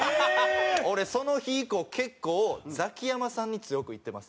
俺その日以降結構ザキヤマさんに強くいってます。